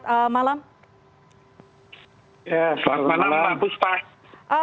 selamat malam bagus pak